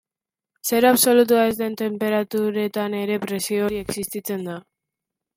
Zero absolutua ez den tenperaturetan ere, presio hori existitzen da.